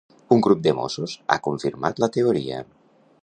Un grup de Mossos ha confirmat la teoria.